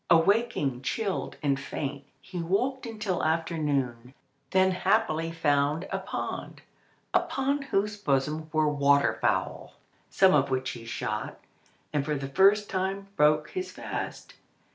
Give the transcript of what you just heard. Awaking chilled and faint, he walked until afternoon, then happily found a pond upon whose bosom were water fowl, some of which he shot, and for the first time broke his fast.